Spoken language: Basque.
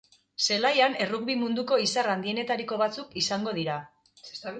Zelaian errugbi munduko izar handienetariko batzuk izango dira.